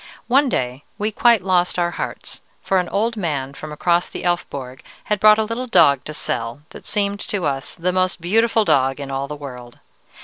One day we quite lost our hearts, for an old man from across the Elfborg had brought a little dog to sell, that seemed to us the most beautiful dog in all the world.